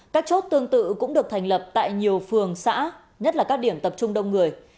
các chốt tương tự cũng được thành lập tại nhiều phường xã nhất là các điểm tập trung đông người